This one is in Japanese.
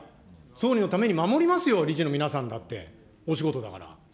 総理のために守りますよ、理事の皆さんだって、お仕事だから。